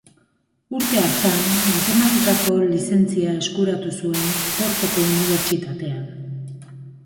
Urte hartan, matematikako lizentzia eskuratu zuen Portoko Unibertsitatean.